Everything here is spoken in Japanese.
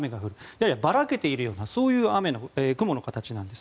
ややばらけているようなそういう雲の形です。